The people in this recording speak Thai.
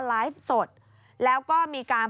ไลฟ์สดแล้วก็มีการ